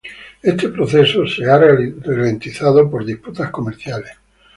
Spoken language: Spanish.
Este proceso ha sido ralentizado por disputas comerciales.